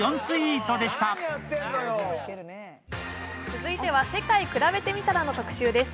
続いては「世界くらべてみたら」の特集です。